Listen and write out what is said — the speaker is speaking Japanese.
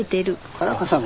原川さん